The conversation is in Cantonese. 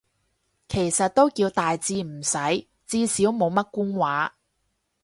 其實都叫大致啱使，至少冇乜官話